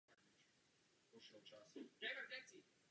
Ucelené kolekce látek vytvářejí často známí návrháři.